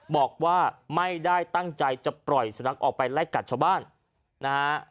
บอกว่าไม่ได้ตั้งใจจะปล่อยสุนัขออกไปไล่กัดชาวบ้านนะฮะ